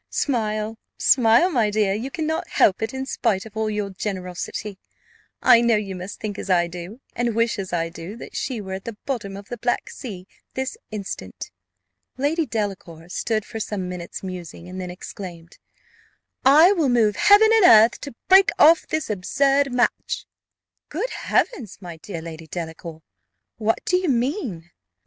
Smile, smile, my dear; you cannot help it; in spite of all your generosity, I know you must think as I do, and wish as I do, that she were at the bottom of the Black Sea this instant." Lady Delacour stood for some minutes musing, and then exclaimed, "I will move heaven and earth to break off this absurd match." "Good Heavens! my dear Lady Delacour, what do you mean?"